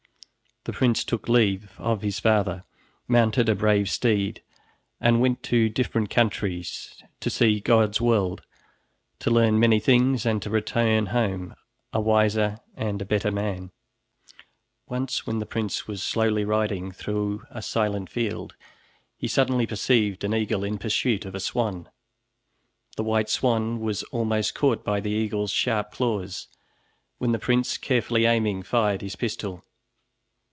The prince took leave of his father, mounted a brave steed and went to different countries, to see God's world, to learn many things, and to return home a wiser and a better man. Once when the prince was slowly riding through a silent field, he suddenly perceived an eagle in pursuit of a swan. The white swan was almost caught by the eagle's sharp claws, when the prince, carefully aiming, fired his pistol.